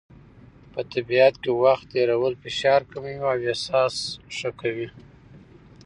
په طبیعت کې وخت تېرول فشار کموي او احساس ښه کوي.